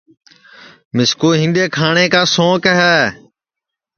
مِسکُو ہِنڈؔے کھاٹؔیں سونٚک ہے